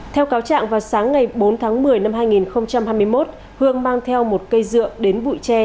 theo cáo trạng vào sáng ngày bốn tháng một mươi năm hai nghìn hai mươi một hương mang theo một cây dựa đến bụi tre